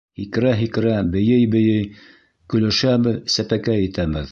Һикерә-һикерә, бейей-бейей көлөшәбеҙ, сәпәкәй итәбеҙ.